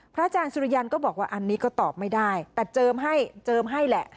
อาจารย์สุริยันก็บอกว่าอันนี้ก็ตอบไม่ได้แต่เจิมให้เจิมให้แหละ